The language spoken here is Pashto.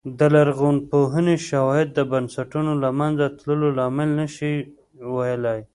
د لرغونپوهنې شواهد د بنسټونو له منځه تلو لامل نه شي ویلای